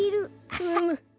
うむ！